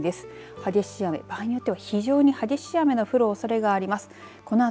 激しい雨、場合によっては非常に激しい雨の降るおそれがあります。